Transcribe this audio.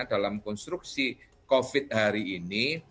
dalam konstruksi covid hari ini